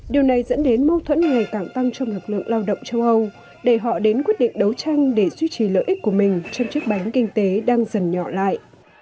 điều này dẫn đến mâu thuẫn ngày càng tăng trong lực lượng lao động châu âu để họ đến quyết định đấu tranh để duy trì lợi ích của mình trong chiếc bánh kinh tế đang dần nhỏ lại